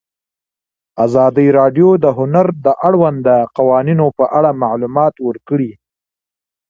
ازادي راډیو د هنر د اړونده قوانینو په اړه معلومات ورکړي.